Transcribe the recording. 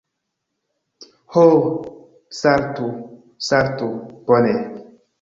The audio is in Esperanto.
Ho, saltu! Saltu! Bone.